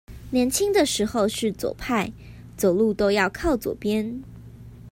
年輕的時候是左派，走路都要靠左邊